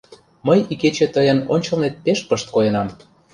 Мый икече тыйын ончылнет пеш пышт койынам.